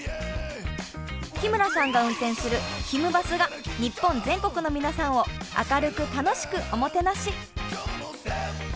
日村さんが運転する「ひむバス」が日本全国の皆さんを明るく楽しくおもてなし。